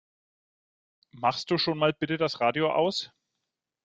Machst du schon mal bitte das Radio aus?